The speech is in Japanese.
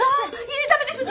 ダメです！